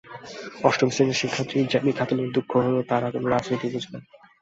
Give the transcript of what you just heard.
অষ্টম শ্রেণীর শিক্ষার্থী জ্যামি খাতুনের দুঃখ হলো, তারা কোনো রাজনীতি বোঝে না।